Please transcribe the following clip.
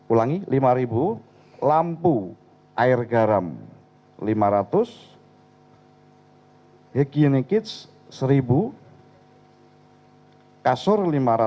enam ulangi lima lampu air garam lima ratus hygienic kits satu kasur lima ratus